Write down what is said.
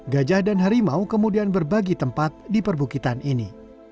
gajah dan harimau kemudian berbagi tempat di perbukitan ini